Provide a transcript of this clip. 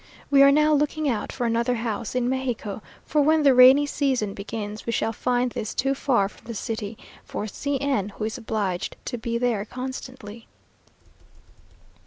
We are now looking out for another house in Mexico, for when the rainy season begins we shall find this too far from the city for C n, who is obliged to be there constantly.